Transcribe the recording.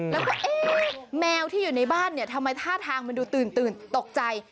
แล้วก็เอ๊ะแมวที่อยู่ในบ้านเนี่ยทำไมท่าทางมันดูตื่นตกใจ